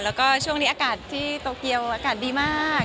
แล้วก็ช่วงนี้อากาศที่โตเกียวอากาศดีมาก